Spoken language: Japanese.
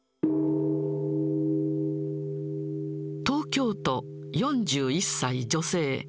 東京都４１歳女性。